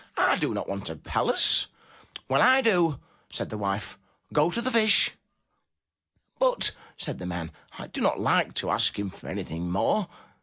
I do not want a palace. "Well, I do!'* said the wife. "Go to the Fish!*' "But, said the man, "I do not like to ask him for anything more.